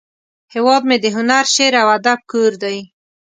هیواد مې د هنر، شعر، او ادب کور دی